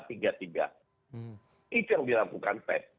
itu yang bilang bukan pep